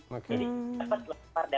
jadi dapat lebar dan hampir saja